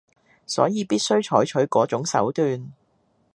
所以必須採取嗰種手段